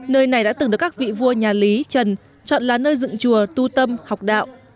nơi này đã từng được các vị vua nhà lý trần chọn là nơi dựng chùa tu tâm học đạo